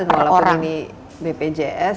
walaupun ini bpjs